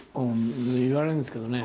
言われるんですけどね。